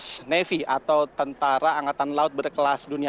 nah itu adalah kelas nevi atau tentara angkatan laut berkelas dunia